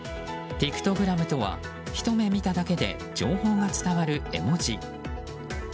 ピクトグラムとはひと目見ただけで情報が伝わる絵文字。